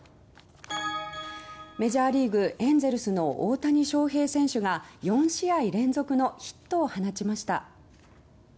メジャーリーグエンゼルスの大谷翔平選手が４試合連続のヒットを放ちました。